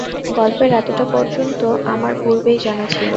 গল্পের এতটা পর্যন্ত আমার পূর্বেই জানা ছিল।